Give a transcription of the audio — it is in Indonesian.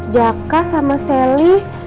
jaka sama selly